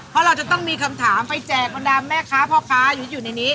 เพราะเราจะต้องมีคำถามไปแจกบรรดาแม่ค้าพ่อค้าหรืออยู่ในนี้